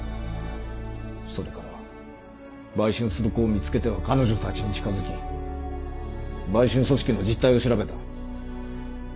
それから売春する子を見つけては彼女たちに近づき売春組織の実態を調べた。